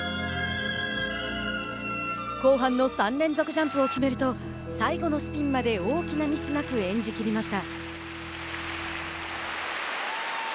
後半の３連続ジャンプを決めると最後のスピンまで大きなミスなく演じきりました。